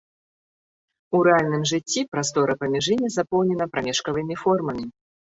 У рэальным жыцці прастора паміж імі запоўнена прамежкавымі формамі.